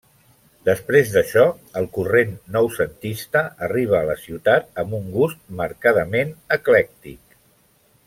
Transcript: Després d'això el corrent noucentista arriba a la ciutat amb un gust marcadament eclèctic.